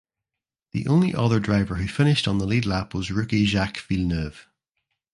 The only other driver who finished on the lead lap was rookie Jacques Villeneuve.